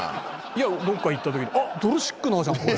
いやどっか行った時に「あっドルシックナーじゃんこれ」。